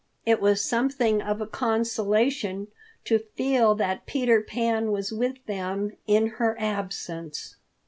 It was something of a consolation to feel that Peter Pan was with them in her absence.